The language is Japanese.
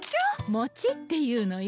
餅っていうのよ。